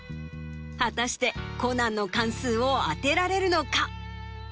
果たして『コナン』の巻数を当てられるのか？